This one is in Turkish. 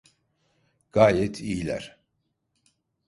Gayet iyiler.